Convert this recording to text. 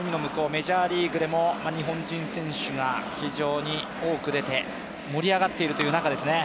メジャーリーグでも、日本人選手が非常に多く出て、盛り上がっているという中ですね。